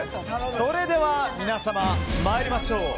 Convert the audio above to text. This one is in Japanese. それでは皆様、参りましょう。